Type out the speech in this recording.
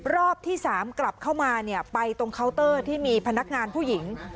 รอบที่๓กลับเข้ามาไปตรงเคาน์เตอร์ที่มีพนักงานผู้หญิง